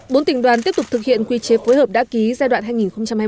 bốn tỉnh đoàn tiếp tục thực hiện quy chế phối hợp đã ký giai đoạn hai nghìn hai mươi